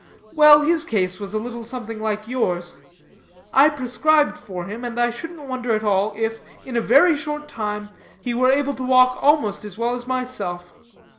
Well, his case was a little something like yours. I prescribed for him, and I shouldn't wonder at all if, in a very short time, he were able to walk almost as well as myself.